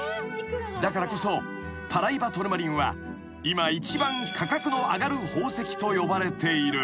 ［だからこそパライバトルマリンは今一番価格の上がる宝石と呼ばれている］